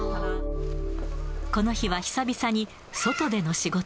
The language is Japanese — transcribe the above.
この日は久々に外での仕事。